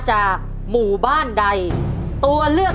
จิตตะสังวโรครับ